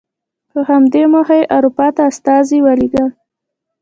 په همدې موخه یې اروپا ته استازي ولېږل.